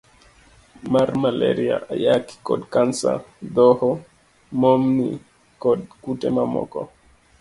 C. mar Maleria, Ayaki, kod kansa D. Dhoho, momni, kod kute mamoko.